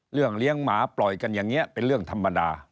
เลี้ยงหมาปล่อยกันอย่างนี้เป็นเรื่องธรรมดา